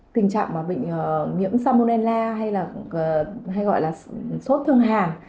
tình trạng bệnh nhiễm samolella hay gọi là sốt thương hàn